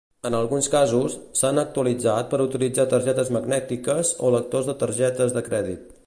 En alguns casos, s'han actualitzat per utilitzar targetes magnètiques o lectors de targetes de crèdit.